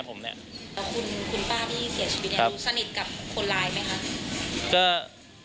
คุณป้าที่เสียชีวิตนี้ดูสนิทกับคนร้ายไหมครับ